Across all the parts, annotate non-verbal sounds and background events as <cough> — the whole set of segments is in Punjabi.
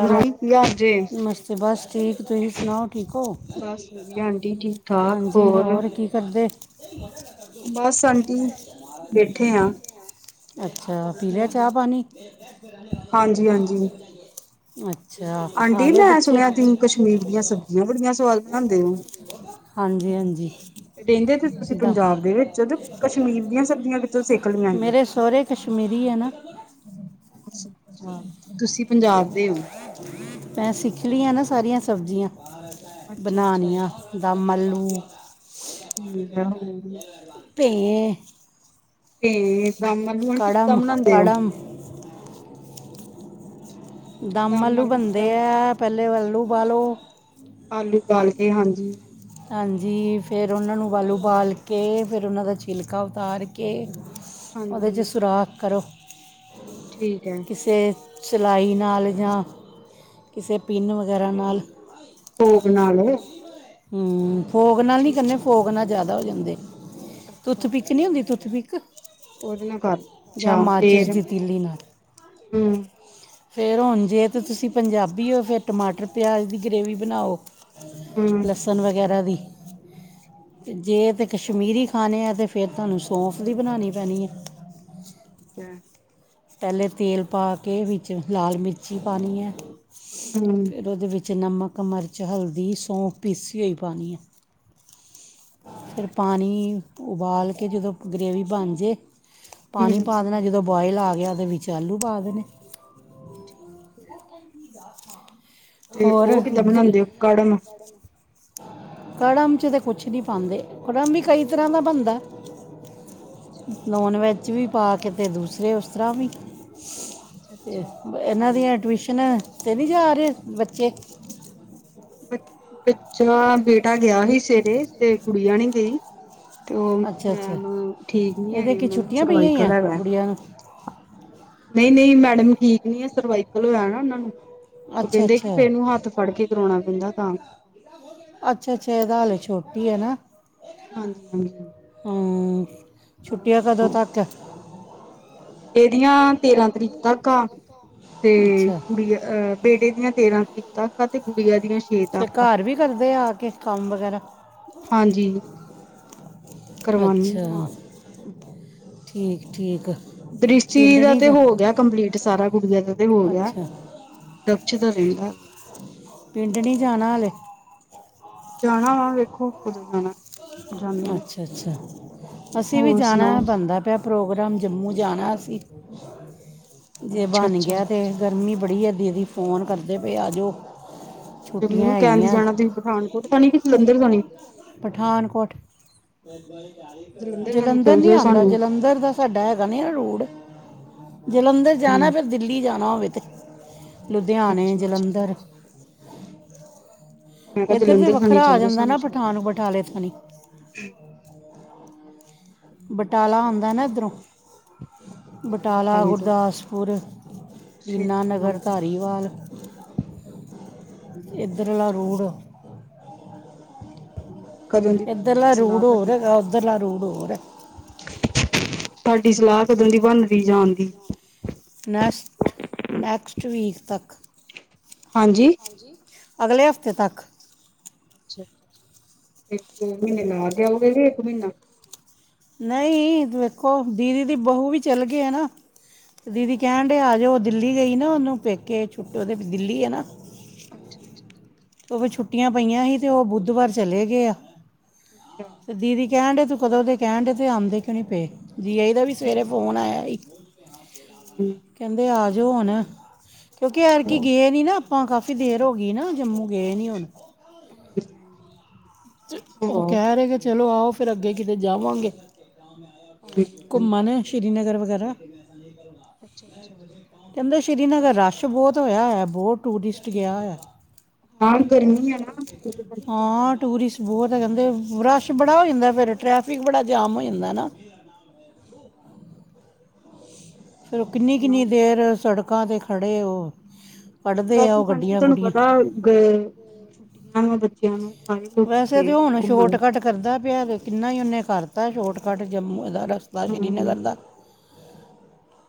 ਮੰਮੀ ਕੀ ਹਾਲ ਜੇ ਤੇ ਬਸ ਠੀਕ ਤੁਸੀਂ ਸੁਣਾਓ ਠੀਕ ਹੋ ਬਸ ਵਧੀਆ ਆਂਟੀ ਠੀਕ ਠਾਕ ਹਾਂਜੀ ਹੋਰ ਕੀ ਤੁਰਦੇ ਏ ਬਸ ਆਂਟੀ ਬੈਠੇ ਆ। ਅੱਛਾ ਪੀ ਲਿਆ ਚਾਹ ਪਾਣੀ ਹਾਂਜੀ ਹਾਂਜੀ ਅੱਚਾ ਆਂਟੀ ਮੈਂ ਸੁਣਿਆ ਤੁਸੀ ਕਸ਼ਮੀਰ ਦੀਆਂ ਸਬਜ਼ੀਆਂ ਬੜੀਆਂ ਸਵਾਦ ਬਣਾਦੇ ਓ ਹਾਂਜੀ ਹਾਂਜੀ ਰਹਿੰਦੇ ਤੇ ਤੁਸੀਂ ਦਾ ਪੰਜਾਬ ਦੇ ਵਿੱਚ ਤੇ ਕਸ਼ਮੀਰ ਦੀਆਂ ਸਬਜ਼ੀਆਂ ਕਿਥੋਂ ਸਿੱਖ ਲਿਆ ਜੇ ਮੇਰੇ ਸਹੁਰੇ ਕਸ਼ਮੀਰੀ ਐ ਨਾ ਅੱਛਾ ਅੱਛਾ ਤੇ ਤੁਸੀਂ ਪੰਜਾਬ ਦੇ ਓ ਤੈਅ ਸਿੱਖ ਲਈਆਂ ਨਾ ਸਾਰੀਆਂ ਸਬਜ਼ੀਆਂ ਅੱਛਾ-ਅੱਛਾ ਬਣਾਨੀਆਂ ਦੱਮ ਆਲੂ ਠੀਕ ਆ ਹੋਰ ਕਹੀਏ ਤੇ ਦੱਮ ਆਲੂ ਆਂਟੀ ਕਿੱਦਾਂ ਕੜਮ ਬਣਾਉਂਦੇ ਓ ਕੜਮ ਦਮ ਆਲੂ ਬਣਦੇ ਐ, ਪਹਿਲੇ ਆਲੂ ਓਬਾਲੋ। ਆਲੂ ਬਾਲਕੇ ਹਾਂਜੀ। ਹਾਂਜੀ, ਫੇਰ ਉਹਨਾਂ ਨੂੰ ਆਲੂ ਬਾਲ ਕੇ ਫੇਰ ਉਹਨਾਂ ਦਾ ਛਿਲਕਾ ਉਤਾਰ ਕੇ ਉਹਦੇ ਚ ਹਾਂਜੀ ਸੁਰਾਖ ਕਰੋ। ਠੀਕ ਏ। ਕਿਸੇ ਸਿਲਾਈ ਨਾਲ ਯਾ ਕਿਸੇ ਪਿੰਨ ਵਗੈਰਾ ਨਾਲ। ਫੋਕ ਨਾਲ ਹਮ, ਫੌਕ ਨਾਲ ਨੀ ਠੀਕ ਕਰਨੇ, ਫੋਕ ਨਾਲ ਜ਼ਿਆਦਾ ਹੋ ਜਾਂਦੇ ਆ, ਅੱਛਾ ਟੂਥਪਿ ਚ ਨੀ ਹੁੰਦੀ ਤੁੁੱਥ- ਪਿਕ ਉਹਦੇ ਨਾਲ ਕਰ ਲੋ ਯਾ ਅੱਛਾ ਮਾਚਿਸ ਫੇਰ ਦੀ ਤੀਲੀ ਨਾਲ। ਹੂੰ ਫੇਰ ਹੁਣ ਜੇ ਤਾਂ ਤੁਸੀਂ ਪੰਜਾਬੀ ਔ, ਫੇਰ ਟਮਾਟਰ ਪਿਆਜ਼ ਦੀ ਗ੍ਰੇਵੀ ਬਣਾਓ। ਹਮ ਲਸਣ ਵਗੈਰਾ ਦੀ। ਜੇ ਤੇ ਕਸ਼ਮੀਰੀ ਖਾਣੇ ਆ ਤੇ ਫੇਰ ਤੁਹਾਨੂੰ ਸੌਂਫ ਦੀ ਬਨਾਣੀ ਪੈਣੀ ਐ। ਅ ਪਹਿਲੇ ਤੇਲ ਪਾ ਕੇ ਵਿੱਚ ਲਾਲ ਮਿਰਚੀ ਪਾਣੀ ਐ। ਹੂੰ ਫੇਰ ਹੂੰ ਉਹਦੇ ਵਿੱਚ ਨਮਕ, ਮਰਚ, ਹਲਦੀ, ਸੌਂਫ ਪੀਸੀ ਹੋਈ ਪਾਣੀ ਐ। ਫੇਰ ਪਾਣੀ ਉਬਾਲ ਕੇ ਜਦੋਂ ਗਰੇਵੀ ਬਣਜੇ, ਪਾਣੀ ਪਾ ਦੇਣਾ, ਜਦੋਂ ਬੋਆਇਲ ਆ ਗਿਆ ਉਹਦੇ ਵਿੱਚ ਆਲੂ ਪਾ ਦੇਣੇ। ਠੀਕ ਐ। ਹੋਰ ਕਿੱਦਾਂ ਇਧਰ ਬਣਾਉਂਦੇ ਹੋ ਕੜਮ ਕੜਮ ਚ ਤੇ ਕੁਛ ਨਹੀਂ ਪਾਂਦੇ, ਕੜਮ ਵੀ ਕਈ ਤਰ੍ਹਾਂ ਦਾ ਬਣਦਾ। ਨੋਨ- ਵੈਜ ਵੀ ਪਾ ਕੇ ਤੇ ਦੂਸਰੇ ਉਸ ਤਰ੍ਹਾਂ ਵੀ ਅੱਛਾ ਤੇ ਅੱਛਾ ਇਹਨਾਂ ਦੀਆਂ ਠੀਕ ਹੈ ਟਊਸ਼ਨ ਤੇ ਨਹੀਂ ਜਾ ਰਹੇ ਬੱਚੇ? ਬ ਬੱਚਾ, ਬੇਟਾ ਗਿਆ ਸੀ ਸਵੇਰੇ ਤੇ ਗੁੜੀਆਂ ਨੀ ਗਈ। ਤੇ ਉਹ ਅੱਛਾ ਅੱਛਾ ਮੈਮ ਠੀਕ ਨੀ ਇਹਦੇ ਹੈਗੇ, ਕੀ ਉਹਨਾ ਨੂੰ ਛੁੱਟੀਆਂ ਪਈਆਂ ਹੀ ਸਰਵਾਈਕਲ ਆ ਹੈਗਾ। ਗੁੜੀਆਂ ਨੂੰ <inaudible> ਨਈ, ਨਈ ਮੈਡਮ ਠੀਕ ਨਈ ਐ, ਸਰਵਾਈਕਲ ਹੋਇਆ ਨਾ ਉਹਨਾ ਨੂੰ ਉਹ ਅੱਛਾ ਕਹਿੰਦੇ ਕਿ ਅੱਛਾ ਫੇਰ ਨੂੰ ਹੱਥ ਫੜ੍ਹ ਕੇ ਕਰਾਉਣਾ ਪੈਂਦਾ ਕੰਮ। ਅੱਛਾ, ਅੱਛਾ ਇਹ ਤਾ ਹਲੇ ਛੋਟੀ ਐ ਨਾ। ਹਾਂਜੀ, ਹਾਂਜੀ। ਹਮ, ਹੋਰ ਛੁੱਟੀਆਂ ਕਦੋਂ ਸੁਣਾਓ ਤੱਕ ਐ। ਇਹਦੀਆਂ ਤੇਰਾਂ ਤਰੀਕ ਤੱਕ ਆ ਤੇ ਅੱਛਾ ਕੁੜੀ ਅਹ ਬੇਟੇ ਦੀਆਂ ਤੇਰਾਂ ਤਰੀਕ ਤਕ ਤੇ ਗੁੜੀਆਂ ਦੀਆਂ ਛੇ ਫਿਰ ਤਕ ਆ। ਘਰ ਵੀ ਕਰਦੇ ਆ ਆ ਕੇ ਕੰਮ ਵਗੈਰਾ ਹਾਂਜੀ, ਕਰਵਾਨੀ ਅੱਛਾ ਆ ਨਾਲ। ਠੀਕ, ਠੀਕ। ਦ੍ਰਿਸ਼ਟੀ ਪਿੰਡ ਦਾ ਨਹੀਂ ਤੇ ਜਾ ਹੋ ਗਿਆ ਕੰਪਲੀਟ, ਸਾਰਾ ਗੁੜੀਆਂ ਦਾ ਤੇ ਹੋ ਗਿਆ। ਅੱਛਾ <unintelligible> ਪਿੰਡ ਨੀ ਜਾਣਾ ਹਲੇ? ਜਾਣਾ ਵਾ ਵੇਖੋ ਕਦੋਂ ਜਾਣਾ। ਜਾਂਦੇ ਆ ਅੱਛਾ- ਅੱਛਾ ਅਸੀਂ ਵੀ ਹੋਰ ਜਾਣਾ ਆ ਸੁਣਾਓ ਬਣਦਾ ਪਿਆ। ਪ੍ਰੋਗਰਾਮ ਜੰਮੂ ਜਾਣਾ ਅਸੀਂ, ਜੇ ਅੱਛਾ ਬਣ ਅੱਛਾ ਗਿਆ ਤੇ ਗਰਮੀ ਬੜੀ ਏ, ਦੀਦੀ ਫੋਨ ਕਰਦੇ ਪਏ ਆ ਜਓ। ਦਿੱਲੀ ਕਹਿ ਦੀ ਜਾਣਾ ਤੁਸੀਂ ਪਠਾਨਕੋਟ ਥਾਨੀ ਕਿ ਜਲੰਧਰ ਥਾਨੀ। ਪਠਾਨਕੋਟ ਥਾਣੀ ਜਲੰਧਰ ਚੱਲ ਨਹੀਂ ਜਾਇਓ ਆਂਦਾ ਸਾਨੂੰ ਜਲੰਧਰ ਦਾ ਸਾਡਾ ਹੈਗਾ ਨੀ ਨਾ ਰੂਡ ਜਲੰਧਰ ਜਾਣਾ ਹਮ ਫਿਰ ਦਿੱਲੀ ਜਾਣਾ ਹੋਵੇ ਤੇ ਲੁਧਿਆਣੇ ਅੱਛਾ ਅੱਛਾ ਜਲੰਧਰ ਮੈਂ ਕਿਹਾ ਇੱਧਰ ਤੇ ਜਲੰਧਰ ਥਾਣੀ ਵੱਖਰਾ ਆ ਚੱਲ ਜਾਓ ਜਾਂਦਾ ਸਾਨੂੰ ਨਾ ਪਠ ਛੱਡ <inaudible> ਬਟਾਲਾ ਆਂਦਾ ਨਾ ਇੱਧਰੋਂ ਅੱਛਾ ਅੱਛਾ ਬਟਾਲਾ, ਬਟਾਲੇ ਤੋਂ ਗੁਰਦਾਸਪੁਰ ਫਿਰ ਦੀਨਾਨਗਰ, ਧਾਰੀਵਾਲ ਹੂੰ ਇੱਧਰ ਆਲਾ ਰੋੜ ਠੀਕ ਏ। ਇਦੇਲਾ ਰੂੜ ਹੋਰ ਹੈਗਾ ਉਹਦਰਲਾ ਰੂੜ ਹੋਰ ਏ ਤੁਹਾਡੀ ਸਲਾਹ ਕਦੋਂ ਦੀ ਬਨ ਰਈ ਜਾਣ ਦੀ ਨੈਕਸਟ- ਨੈਕਸਟ ਵੀਕ ਤੱਕ ਹਾਂਜੀ ਹਾਂਜੀ ਅਗਲੇ ਹਫ਼ਤੇ ਤੱਕ ਅੱਛਾ ਇੱਕ ਦੋ ਮਹੀਨੇ ਲਾ ਕੇ ਆਉਗੇ ਕੇ ਇੱਕ ਮਹੀਨਾ ਨਈ ਵੇਖੋ ਦੀਦੀ ਦੀ ਬਹੁੂ ਵੀ ਚੱਲ ਗਏ ਹੈ ਨਾ। ਦੀਦੀ ਕਹਿਣ ਡਏ ਆ ਜਾਓ ਦਿੱਲੀ ਗਈ ਨਾ ਉਹਨੂੰ ਪੇਕੇ ਛੁਟ ਉਹਦੇ ਦਿੱਲੀ ਹੈ ਨਾ। ਅੱਛਾ- ਅੱਛਾ ਉਹ ਵੀ ਛੁੱਟੀਆਂ ਪਈਆਂ ਹੀ ਅਤੇ ਉਹ ਬੁੱਧਵਾਰ ਚਲੇ ਗਏ ਆ। ਅੱਛਾ ਤੇ ਦੀਦੀ ਕਹਿਣ ਡਏ ਤੂੰ ਕਦੋਂ ਦੇ ਕਹਿਣ ਡਏ ਤੇ ਆਂਦੇ ਕਿਉ ਨਈ ਪਏ। ਜੀਆਜੀ ਦਾ ਵੀ ਸਵੇਰੇ ਫੋਨ ਆਇਆ ਹੂੰ ਕਹਿੰਦੇ ਆ ਜਾਓ ਹੁਣ ਕਿਉਂਕਿ ਚਲੋ ਐਤਕੀ ਗਏ ਨੀ ਨਾ ਆਪਾਂ ਕਾਫ਼ੀ ਦੇਰ ਹੋ ਗਈ ਨਾ ਜੰਮੂ ਗਏ ਨੀ ਹੁਣ <inaudible> ਚਲ ਉਹ ਹੋ ਕਹਿ ਰਹੇ ਕਿ ਚਲੋ ਆਓ ਫਿਰ ਅੱਗੇ ਕਿਤੇ ਜਾਵਾਂਗੇ। ਹਾਂਜੀ ਘੁੰਮਣ ਸ੍ਰੀਨਗਰ ਵਗੈਰਾ ਅੱਛਾ ਅੱਛਾ। ਕਹਿੰਦੇ ਸ਼੍ਰੀਨਗਰ ਰਸ਼ ਬਹੁਤ ਹੋਇਆ ਹੋਇਆ ਬਹੁਤ ਟੂਰਿਸਟ ਗਿਆ ਹੋਇਆ। ਹਾਂ ਗਰਮੀ ਆ ਨਾ ਹਾਂ ਟੂਰਿਸਟ ਬਹੁਤ ਹੈ ਕਹਿੰਦੇ ਰਸ਼ ਬੜਾ ਹੋ ਜਾਂਦਾ ਫਿਰ ਟਰੈਫਿਕ ਬੜਾ ਜਾਮ ਹੋ ਜਾਂਦਾ ਨਾ। ਫਿਰ ਉਹ ਕਿੰਨੀ -ਕਿੰਨੀ ਸੁਣਾਓ ਦੇਰ ਸੜਕਾਂ ਤੇ ਖੜੇ ਉਹ ਕੱਢਦੇ ਬਸ ਆ ਉਹ ਹਾਂਜੀ ਗੱਡੀਆਂ ਤੁਹਾਨੂੰ ਗੁੱਡੀਆਂ ਪਤਾ ਗਏ ਛੁੱਟੀਆਂ ਨੇ ਬੱਚਿਆਂ ਨੂੰ ਸਾਰੇ ਲੋਕ ਵੈਸੇ ਗਏ ਤੇ ਹੋਏ ਹੁਣ ਘੁੰਮਣ ਸ਼ਾਰਟਕਟ ਕਰਦਾ ਪਿਆ ਕਿੰਨਾ ਹੀ ਉਨੇ ਕਰ ਤਾ ਸ਼ੋਟਕੱਟ ਜੰਮੂ ਦਾ ਰਸਤਾ ਹੂੰ। ਸ਼੍ਰੀਨਗਰ ਦਾ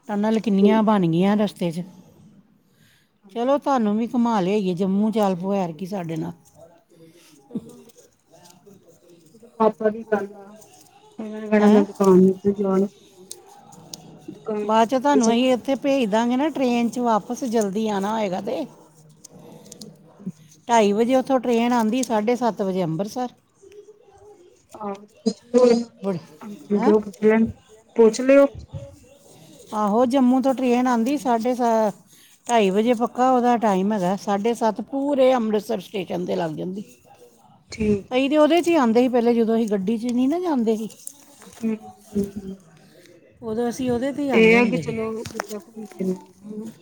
ਟਨਲ ਕਿੰਨੀਆਂ ਠੀਕ ਹੈ। ਬਣ ਗਈਆਂ ਰਸਤੇ 'ਚ ਹਾਂਜੀ ਚਲੋ ਹਾਂਜੀ ਤੁਹਾਨੂੰ ਵੀ ਘੁਮਾ ਲਿਆਈਏ ਜੰਮੂ ਚੱਲ ਪਉ ਐਤਕੀ ਸਾਡੇ ਨਾਲ ਚਲੋ ਪਾਪਾ ਦੀ ਗੱਲ ਆ। ਇਹਨਾਂ ਨੇ ਕਹਿਣਾ ਮੈਂ ਹੈਂ ਦੁਕਾਨ ਵਿਚੋਂ ਜਾ ਨੀ ਸਕਦਾ ਦੁਕਾਨ ਤੋਂ ਬਾਅਦ ਨੀ 'ਚ ਨਿਕਲ ਤੁਹਾਨੂੰ ਇਹੀ ਸਕਦਾ ਇੱਥੇ ਭੇਜ ਦਾਂਗੇ ਨਾ ਟ੍ਰਰੇਨ ਚ ਵਾਪਸ ਜਲਦੀ ਆਂਣਾ ਹੋਏਗਾ ਤੇ ਹੂੰ ਢਾਈ ਵਜੇ ਉਥੋਂ ਟ੍ਰਰੇਨ ਆਉਂਦੀ ਸਾਢੇ ਸੱਤ ਵਜੇ ਅੰਬਰਸਰ ਆਹੋ ਬੜੇ ਹੈਂ ਪੁੱਛ ਲੈਣ ਪੁੱਛ ਲਿਓ। ਆਹੋ ਜੰਮੂ ਤੋਂ ਟ੍ਰਰੇਨ ਆਉਂਦੀ ਸਾਢੇ ਸ ਢਾਈ ਵਜੇ ਪੱਕਾ ਉਹਦਾ ਟਾਈਮ ਹੈਗਾ ਸਾਢੇ ਸੱਤ ਪੂਰੇ ਅੰਮ੍ਰਿਤਸਰ ਸਟੇਸ਼ਨ 'ਤੇ ਲੱਗ ਜਾਂਦੀ। ਠੀਕ ਹੈ। ਦੀਦੀ ਉਹਦੇ 'ਚ ਹੀ ਆਂਦੇ ਸੀ ਪਹਿਲੇ ਜਦੋਂ ਅਸੀਂ ਗੱਡੀ 'ਚ ਨਹੀਂ ਨਾ ਜਾਂਦੇ ਸੀ। ਹੂੰ- ਹੂੰ- ਹੂੰ। ਉਦੋਂ ਅਸੀਂ ਔਹਦੇ ਇਹ ਆ ਕਿ ਚਲੋਂ <unintelligible>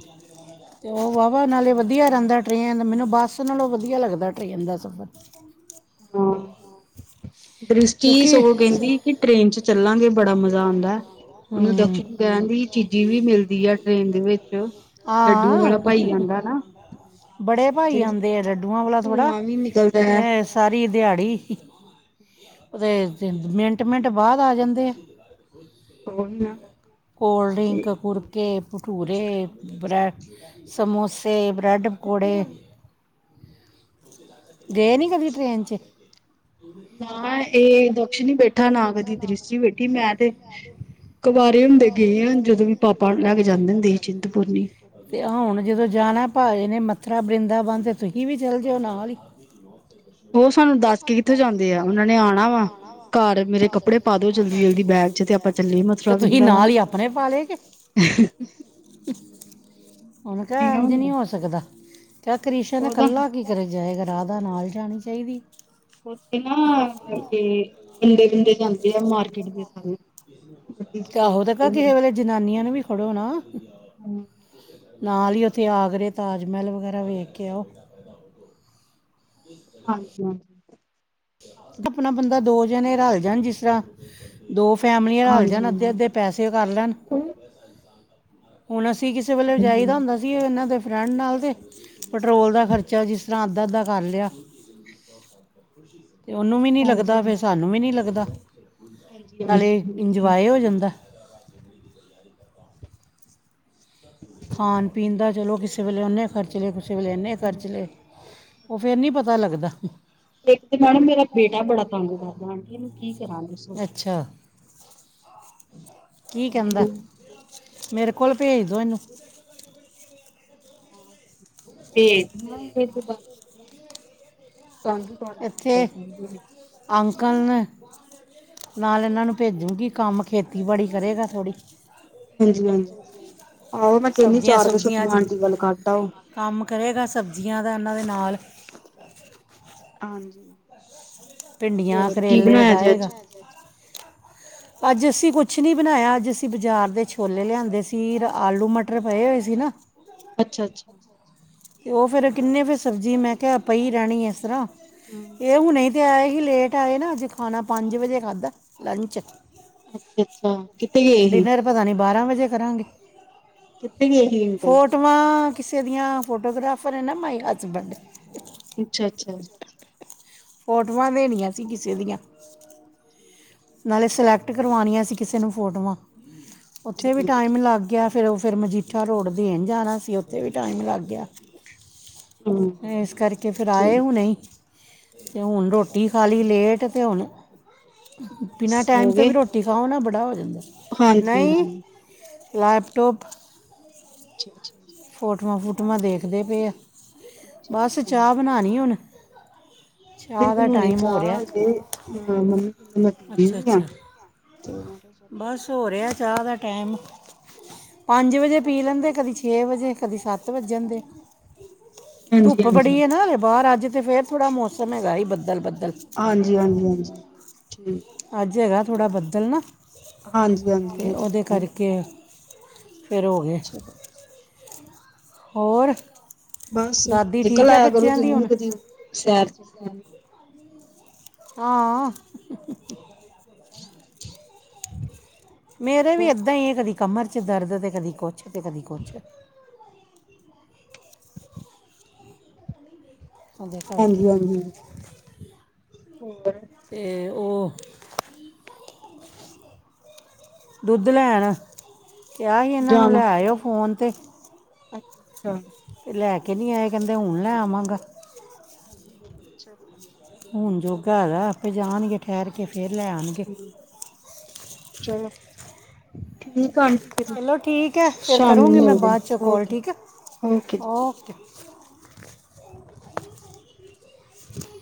ਤੇ ਉਹ ਵਾਹਵਾ ਨਾਲੇ ਵਧੀਆ ਰਹਿੰਦਾ ਟ੍ਰੇਨ ਮੈਨੂੰ ਬੱਸ ਨਾਲੋਂ ਵਧੀਆ ਲੱਗਦਾ ਟਰੇਨ ਦਾ ਸਫ਼ਰ। ਹਾਂ। ਦ੍ਰਿਸ਼ਟੀ ਕਿਉਂਕਿ ਸਗੋਂ ਕਹਿੰਦੀ ਕਿ ਟ੍ਰਰੇਨ ਚ ਚੱਲਾਂਗੇ ਬੜਾ ਮਜ਼ਾ ਆਂਦਾ ਐ। ਉਹਨੂੰ ਹੂੰ ਦਕਸ਼ਿਣ ਕਹਿਣ ਡਈ ਹੀ ਏ ਚੀਜ਼ੀ ਵੀ ਮਿਲਦੀ ਆ ਟ੍ਰੇਨ ਦੇ ਵਿੱਚ। ਲੱਡੂਆਂ ਹਾਂ। ਵਾਲਾ ਭਾਈ ਆਉਂਦਾ ਨਾ ਬੜੇ ਭਾਈ ਤੇ ਆਂਦੇ ਲੱਡੂਆਂ ਵਾਲਾ ਥੋੜ੍ਹਾ, ਧੂੰਆਂ ਵੀ ਨਿਕਲਦਾ ਹੈ ਇਹ ਸਾਰੀ ਦਿਹਾੜੀ ਉਹ ਤੇ ਮਿੰਟ, ਮਿੰਟ ਬਾਅਦ ਆ ਜਾਂਦੇ ਆ। ਉਹੀ ਨਾ ਕੋਲਡ ਡ੍ਰਿੰਕ ਕੁੁਰ ਕੇ ਭਟੂਰੇ, ਬੈ ਸਮੋਸੇ, ਬ੍ਰੈਡ ਤੇ ਪਕੌੜੇ। ਗਏ ਨੀ ਕਦੀ ਟ੍ਰੇਨ ਚ? ਨਾ ਇਹ ਦਕਸ਼ਣ ਹੀ ਬੈਠਾ ਨਾ ਕਦੀ ਦ੍ਰਿਸ਼ਟੀ ਬੈਠੀ ਮੈਂ ਤੇ ਕਵਾਰੇ ਹੁੰਦੇ ਗਏ ਆ, ਜਦੋਂ ਵੀ ਪਾਪਾ ਲੈ ਕੇ ਜਾਂਦੇ ਹੁੰਦੇ ਹੀ ਚਿੰਤਪੁਰਨੀ। ਤੇ ਹੁਣ ਜਦੋਂ ਜਾਣਾ ਭਾਜੀ ਨੇ ਮੱਥਰਾ ਬਰਿੰਦਾਬਨ ਤੇ ਤੁਹੀਂ ਵੀ ਚੱਲ ਜਾਓ ਨਾਲ ਹੀ। ਉਹ ਸਾਨੂੰ ਦੱਸ ਕੇ ਕਿੱਥੋਂ ਜਾਂਦੇ ਆ, ਉਹਨਾਂ ਨੇ ਆਣਾ ਵਾ ਘਰ ਮੇਰੇ ਕੱਪੜੇ ਪਾ ਦਿਓ ਜਲਦੀ, ਜਲਦੀ ਬੈਗ ਚ ਤੇ ਆਪਾਂ ਚੱਲੀਏ ਮਤ ਤੇ ਤੁਹੀ ਨਾਲ ਹੀ ਆਪਣੇ ਪਾ ਲੈ ਜੇ ਉਹਨੂੰ ਕਿਹਾ ਇੰਝ ਨੀ ਹੋ ਸਕਦਾ, ਕਹਿ ਕ੍ਰਿਸ਼ਨ ਉਹ ਤਾਂ ਕੱਲਾ ਕੀ ਕਰਣ ਜਾਏਗਾ, ਰਾਧਾ ਨਾਲ ਜਾਣੀ ਚਾਹੀਦੀ ਏ। ਉੱਥੇ ਨਾ ਇਹ ਬੰਦੇ, ਬੰਦੇ ਜਾਂਦੇ ਆ ਮਾਰਕੀਟ ਦੇ ਸਾਰੇ। ਗੱਡੀ ਚ ਚਲੇ ਆਹੋ ਤੇ ਜਾਂਦੇ ਕਿਸੇ ਵੇਲੇ ਜਨਾਨੀਆਂ ਨੂੰ ਵੀ ਫੜੋ ਨਾ। ਫਿਰ ਨਾਲ ਹੀ ਉੱਥੇ ਆਗਰੇ ਤਾਜ਼ ਮਹਿਲ ਵਗੈਰਾ ਵੇਖ ਕੇ ਆਉ। ਹਾਂਜੀ, ਹਾਂਜੀ। ਆਪਣਾ ਬੰਦਾ ਦੋ ਜਣੇ ਰਲ ਜਾਣ ਜਿਸ ਤਰ੍ਹਾਂ ਦੋ ਫੈਮਲੀਆਂ ਰਲ ਜਾਣ, ਅੱਧੇ, ਹਾਂਜੀ ਅੱਧੇ ਪੈਸੇ ਕਰ ਲੈਣ। ਹੁਣ ਅਸੀਂ ਕਿਸੇ ਵੇਲੇ ਜਾਈਦਾ ਹਾਂਜੀ ਹੁੰਦਾ ਸੀ, ਇਹਨਾਂ ਦੇ ਫਰੈਂਡ ਨਾਲ ਤੇ ਪੈਟਰੋਲ ਦਾ ਖਰਚਾ, ਜਿਸ ਤਰ੍ਹਾਂ ਅੱਧਾ, ਅੱਧਾ ਕਰ ਲਿਆ। <inaudible> ਤੇ ਉਹਨੂੰ ਵੀ ਨੀ ਹਾਂਜੀ ਲੱਗਦਾ, ਹਾਂਜੀ। ਫੇਰ ਸਾਨੂੰ ਵੀ ਨੀ ਲੱਗਦਾ, ਹਾਂਜੀ-ਹਾਂਜੀ ਨਾਲੇ ਇੰਜੋਏ ਹੋ ਜਾਂਦਾ। <inaudible> ਖਾਣ ਪੀਣ ਦਾ ਚਲੋਂ, ਕਿਸੇ ਵੇਲੇ ਉਹਨੇ ਖਰਚ ਲੈ, ਕਿਸੇ ਵੇਲੇ ਇਨੇ ਖਰਚ ਲੇ। ਉਹ ਫੇਰ ਨੀ ਪਤਾ ਲੱਗਦਾ। ਇੱਕ ਤੇ ਮੈਡਮ ਮੇਰਾ ਬੇਟਾ ਬੜਾ ਤੰਗ ਕਰਦਾ, ਆਂਟੀ ਇਹਨੂੰ ਕੀ ਕਰਾਂ ਦੱਸੋਂ? ਅੱਛਾ ਕੀ ਕਹਿੰਦਾ? ਇਹਨੂੰ ਮੇਰੇ ਕੋਲ ਭੇਜ ਦੋ ਇਹਨੂੰ। ਭੇਜਦੀ ਆ ਇਹਨੂੰ ਬਸ। ਤੰਗ ਹੀ ਕਰ ਮਾਰ ਦਾ ਇੱਥੇ ਸਾਰੀ ਦਿਹਾੜੀ। ਅੰਕਲ ਨੇ ਨਾਲ ਇਹਨਾਂ ਨੂੰ ਭੇਜੂਗੀ ਕੰਮ ਖੇਤੀਬਾੜੀ ਕਰੇਗਾ ਥੋੜ੍ਹੀ। ਹਾਂਜੀ-ਹਾਂਜੀ ਆਹੋ ਮੈਂ ਕਹਿੰਦੀ ਚਾਰ ਕ ਛੁੱਟੀਆਂ ਆਂਟੀ ਵੱਲ ਕੱਢ ਆਓ। ਕੰਮ ਕਰੇਗਾ ਸਬਜ਼ੀਆਂ ਦਾ ਇਹਨਾਂ ਦੇ ਨਾਲ। ਹਾਂਜੀ, ਭਿੰਡੀਆਂ ਹੋਰ ਕੀ ਕਰੇਲੇ ਬਣਾਇਆ ਜੇ ਲਗਾਏਗਾ ਅੱਜ? ਅੱਜ ਅਸੀਂ ਕੁਛ ਨੀ ਬਣਾਇਆਂ, ਅੱਜ ਅਸੀਂ ਬਾਜ਼ਾਰ ਦੇ ਛੋਲੇ ਲਿਆਂਦੇ ਸੀ, ਆਲੂ ਮਟਰ ਪਏ ਹੋਏ ਸੀ ਨਾ। ਅੱਛਾ, ਅੱਛਾ। ਤੇ ਉਹ ਫਿਰ ਕਿੰਨੇ ਫੇਰ ਸਬਜ਼ੀ ਮੈਂ ਕਿਹਾ ਪਈ ਰਹਿਣੀ ਇਸ ਤਰ੍ਹਾਂ। ਹੂੰ। ਇਹ ਹੁਣੇ ਤੇ ਆਏ ਹੀ ਲੇਟ ਆਏ ਨਾ, ਅੱਜ ਖਾਣਾ ਪੰਜ ਵਜੇ ਖਾਧਾ ਲੰਚ। ਅੱਛਾ-ਅੱਛਾ, ਕਿੱਥੇ ਗਏ ਸੀ? ਡਿਨਰ ਪਤਾ ਨੀ ਬਾਰਾਂ ਵਜੇ ਕਰਾਂਗੇ। ਕਿੱਥੇ ਗਏ ਸੀ ਅੰਕਲ? ਫੋਟੋਆਂ ਕਿਸੇ ਦੀਆਂ ਫੋਟੋਗ੍ਰਾਫਰ ਹੈ! ਨਾ ਮਾਈ ਹਸਬੈਂਡ ਅੱਛਾ-ਅੱਛਾ। ਫੋਟੋਆਂ ਦੇਣੀਆਂ ਸੀਂ। ਕਿਸੇ ਦੀਆਂ ਠੀਕ ਹੈ। ਨਾਲੇ ਸਿਲੈਕਟ ਕਰਵਾਉਣੀਆਂ ਸੀ! ਕਿਸੇ ਨੂੰ ਫੋਟੋਆਂ ਉੱਥੇ ਠੀਕ ਵੀ ਟਾਈਮ ਲੱਗ ਗਿਆ। ਫਿਰ ਉਹ ਫਿਰ ਮਜੀਠਾ ਰੋਡ ਦੇਣ ਜਾਣਾ ਸੀ। ਉੱਥੇ ਵੀ ਟਾਈਮ ਲੱਗ ਗਿਆ। ਹੂੰ ਇਸ ਕਰਕੇ ਫੇਰ ਆਏ, ਠੀਕ ਹੁਣੇ ਹੁਣ ਰੋਟੀ ਖਾਲੀ ਲੇਟ ਤੇ ਹੁਣ ਬਿਨਾਂ ਟਾਈਮ ਸੋ ਤੋਂ, ਗਏ ਵੀ ਰੋਟੀ ਖਾਓ ਨਾ ਬੜਾ ਹੋ ਜਾਂਦਾ। ਨਹੀਂ ਹਾਂਜੀ-ਹਾਂਜੀ ਲੈਪਟੋਪ ਅੱਛਾ-ਅੱਛਾ। ਫੋਟੂਆਂ ਫੂਟੂਆਂ ਦੇਖਦੇ ਪਏ ਆ। ਬਸ ਅੱਛਾ-ਅੱਛਾ ਚਾਹ ਬਣਾਉਣੀ ਹੁਣ। ਨਹੀਂ ਚਾਹ ਦਾ ਬੁਣਾਉਣੀ ਟਾਈਮ ਹੋ ਚਾਹ ਰਿਹਾ ਹਜੇ ਅੱਛਾ ਅੱਛਾ <unintelligible> ਬਸ ਹੋ ਰਿਹਾ, ਚਾਹ ਦਾ ਟਾਈਮ ਪੰਜ ਵਜੇ ਪੀ, ਲੈਂਦੇ ਕਦੀ ਛੇ, ਵਜੇ ਕਦੀ ਸੱਤ ਵੱਜ ਜਾਂਦੇ। ਧੁੱਪ ਹਾਂਜੀ ਬੜੀ ਹੈ, ਹਾਂਜੀ ਨਾ ਬਾਹਰ ਅੱਜ ਤੇ, ਫਿਰ ਥੋੜ੍ਹਾ ਮੌਸਮ ਹੈਗਾ ਜੀ, ਬੱਦਲ -ਬੱਦਲ ਹਾਂਜੀ-ਹਾਂਜੀ, ਹਾਂਜੀ, ਠੀਕ। ਅੱਜ ਹੈਗਾ, ਥੋੜ੍ਹਾ ਬੱਦਲ ਨਾ। ਹਾਂਜੀ-ਹਾਂਜੀ। ਅਤੇ ਉਹਦੇ ਕਰਕੇ ਫਿਰ ਹੋ ਗਏ, ਚਲੋ ਹੋਰ ਬਸ, ਦਾਦੀ ਨਿਕਲ ਠੀਕ ਹੈ ਆਇਆ ਕਰੋ। ਬੱਚਿਆਂ ਦੀ ਤੁਸੀਂ ਵੀ ਹੁਣ ਕਦੀ ਸੈਰ ਚ ਹਾਂ। <unintelligible> ਮੇਰਾ ਵੀ ਏਦਾਂ ਹੀ ਹੈ। ਕਦੀ ਕਮਰ ਚ, ਦਰਦ ਤੇ, ਕਦੀ ਕੁਛ ਤੇ, ਕਦੀ ਕੁਛ। ਉਹਦੇ ਕਰਕੇ ਹਾਂਜੀ ਹਾਂਜੀ ਹੋਰ। ਅਤੇ ਉਹ ਦੁੱਧ ਲੈਣ ਕਿਹਾ ਸੀ। ਇਹਨਾਂ ਨੂੰ ਜਾਣਾ ਲੈ ਆਇਓ ਫੋਨ ਤੇ ਅੱਛਾ। ਤੇ ਲੈ ਕੇ ਨਹੀ ਆਏ। ਕਹਿੰਦੇ ਹੁਣ ਲੈ ਆਵਾਂਗਾ। <unintelligible> ਹੁਣ, ਜੋਗਾ ਹੈਗਾ ਆਪੇ ਜਾਣਗੇ। ਠਹਿਰ ਕੇ ਫੇਰ ਲੈ ਆਉਣਗੇ। ਹਮ ਚਲੋ ਠੀਕ ਆ। ਚਲੋ ਠੀਕ ਹੈ ਫਿਰ ਸ਼ਾਮ ਨੂੰ ਕਰੂੰਗੀ ਮੈਂ ਮਿਲਦੇ ਬਾਅਦ ਚ ਕਾਲ ਠੀਕ ਹੈ ਓਕੇ-ਓਕੇ ਜੀ। ਓਕੇ